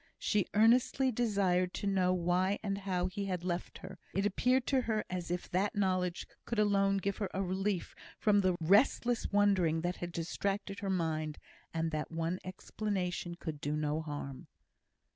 She earnestly desired to know why and how he had left her. It appeared to her as if that knowledge could alone give her a relief from the restless wondering that distracted her mind, and that one explanation could do no harm.